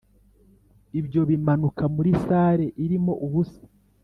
ibyo bimanuka muri salle irimo ubusa,